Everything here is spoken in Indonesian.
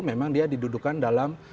memang dia didudukan dalam